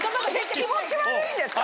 気持ち悪いんですか？